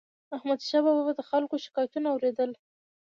احمدشاه بابا به د خلکو شکایتونه اور يدل.